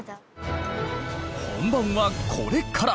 本番はこれから。